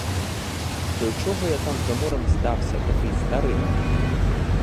До чого я там за морем здався, такий старий?